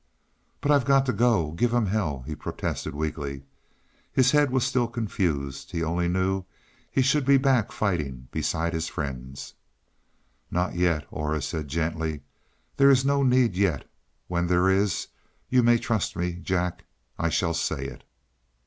"But I got to go give 'em hell," he protested weakly. His head was still confused; he only knew he should be back, fighting beside his friends. "Not yet," Aura said gently. "There is no need yet. When there is, you may trust me, Jack; I shall say it."